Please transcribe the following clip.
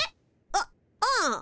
うっうん。